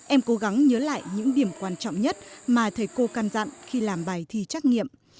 em cố gắng nhớ lại những điểm quan trọng nhất mà thầy cô căn dặn khi làm bài thi trắc nghiệm